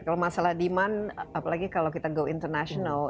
kalau masalah demand apalagi kalau kita go international